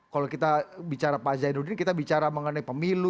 kalau kita bicara pak zainuddin kita bicara mengenai pemilu